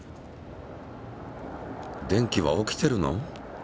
電気は起きてるの？